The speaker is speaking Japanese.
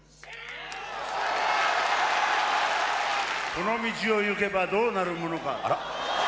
この道を行けばどうなるものか。